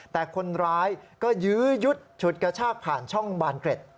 แต่คนร้ายก็ยื้อยุดฉุดกระชากผ่านช่องบานเกร็ด